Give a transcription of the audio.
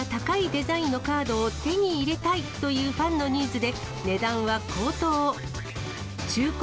デザインのカードを手に入れたいというファンのニーズで、値段は高騰。